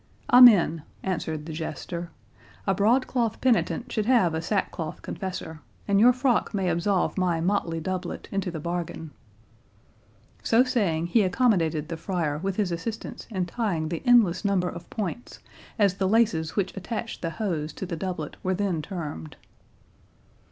"Amen!" answered the Jester; "a broadcloth penitent should have a sackcloth confessor, and your frock may absolve my motley doublet into the bargain." So saying, he accommodated the friar with his assistance in tying the endless number of points, as the laces which attached the hose to the doublet were then termed.